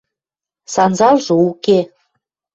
Санзалжы уке.